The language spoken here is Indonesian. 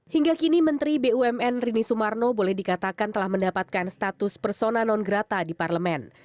hingga kini menteri bumn rini sumarno boleh dikatakan telah mendapatkan status persona non grata di parlemen